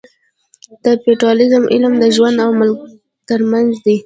د پیتالوژي علم د ژوند او مرګ ترمنځ دی.